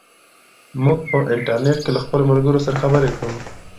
موږ په انټرنیټ کې له خپلو ملګرو سره خبرې کوو.